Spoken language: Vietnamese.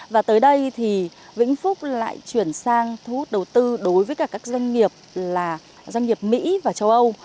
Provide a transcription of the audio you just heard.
và tới đây vĩnh phúc lại chuyển sang thu hút đầu tư đối với các doanh nghiệp mỹ và châu âu